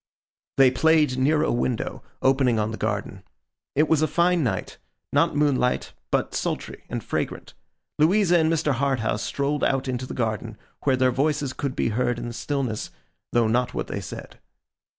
They played near a window, opening on the garden. It was a fine night: not moonlight, but sultry and fragrant. Louisa and Mr. Harthouse strolled out into the garden, where their voices could be heard in the stillness, though not what they said.